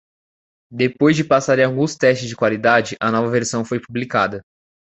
Depois de passar em alguns testes de qualidade, a nova versão foi publicada.